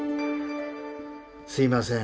すみません